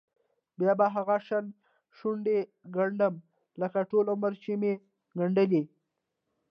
بیا به هغه شان شونډې ګنډم لکه ټول عمر چې مې ګنډلې.